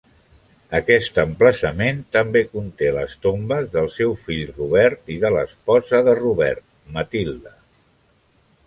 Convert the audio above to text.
Aquest emplaçament també conté les tombes del seu fill Robert i de l'esposa de Robert, Matilda.